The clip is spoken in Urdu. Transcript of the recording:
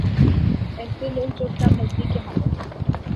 ایسے لوگ جو کم نظری کے حامل